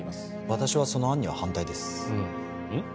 私はその案には反対ですうんんっ？